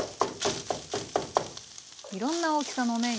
いろんな大きさのね